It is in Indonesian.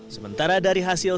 sementara dari hasil